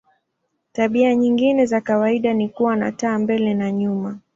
Tabia nyingine za kawaida ni kuwa na taa mbele na nyuma.